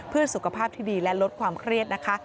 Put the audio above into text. เพื่อสุขภาพที่ดีและลดความเครียดนะคะ